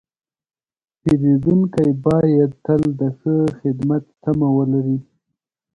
پیرودونکی باید تل د ښه خدمت تمه ولري.